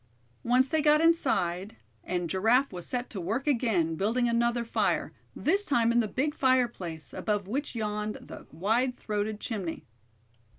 Once they got inside, and Giraffe was set to work again, building another fire, this time in the big fireplace, above which yawned the wide throated chimney.